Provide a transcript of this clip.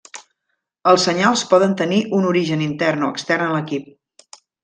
Els senyals poden tenir un origen intern o extern a l'equip.